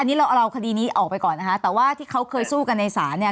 อันนี้เราเอาคดีนี้ออกไปก่อนนะคะแต่ว่าที่เขาเคยสู้กันในศาลเนี่ย